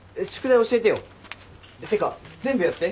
てか全部やって。